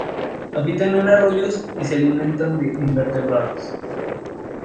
Habitan en arroyos y se alimentan de invertebrados.